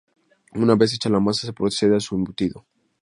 Una vez hecha la masa se procede a su embutido.